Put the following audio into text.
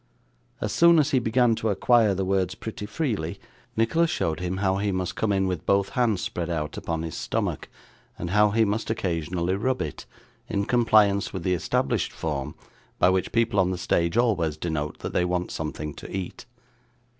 As soon as he began to acquire the words pretty freely, Nicholas showed him how he must come in with both hands spread out upon his stomach, and how he must occasionally rub it, in compliance with the established form by which people on the stage always denote that they want something to eat.